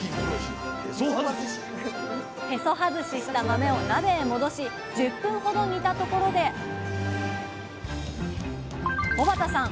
へそ外しした豆を鍋へ戻し１０分ほど煮たところで小幡さん